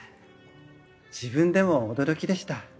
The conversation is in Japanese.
自分でも驚きでした。